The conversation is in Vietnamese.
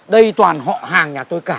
đây toàn họ hàng nhà tôi cả